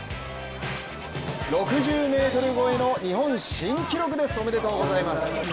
６０ｍ超えの日本新記録です、おめでとうございます！